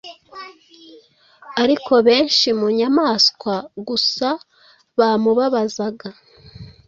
Ariko benshi mu nyamaswa gusa bamubabazaga